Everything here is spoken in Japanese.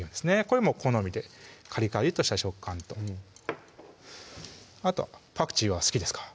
これも好みでカリカリッとした食感とあとはパクチーは好きですか？